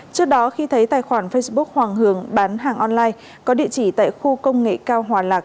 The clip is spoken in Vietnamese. trước đó khi thấy tài khoản facebook hoàng hường bán hàng online có địa chỉ tại khu công nghệ cao hòa lạc